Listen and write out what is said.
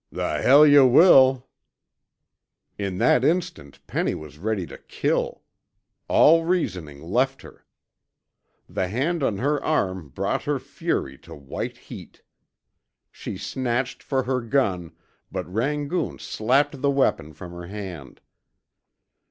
"The hell yuh will!" In that instant Penny was ready to kill. All reasoning left her. The hand on her arm brought her fury to white heat. She snatched for her gun, but Rangoon slapped the weapon from her hand.